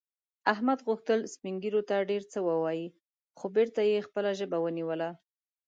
احمد غوښتل سپین ږیرو ته ډېر څه ووايي، خو بېرته یې خپله ژبه ونیوله.